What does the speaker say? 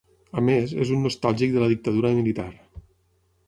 A més, és un nostàlgic de la dictadura militar.